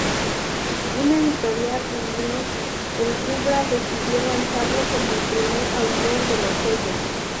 Un editorial embrión, el Rubra, decidió lanzarlo como el primer autor de lo sello.